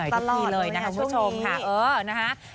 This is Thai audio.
ทุกทีเลยนะคะคุณผู้ชมตลอดขึ้นไปหาช่วงนี้